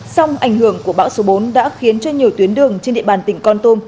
song ảnh hưởng của bão số bốn đã khiến cho nhiều tuyến đường trên địa bàn tỉnh con tum